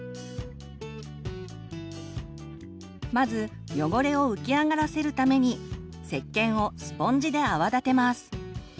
まず汚れを浮き上がらせるためにせっけんをスポンジで泡立てます。